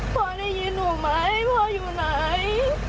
พ่อได้ยินหนูไหมพ่ออยู่ไหน